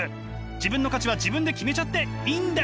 自分の価値は自分で決めちゃっていいんです！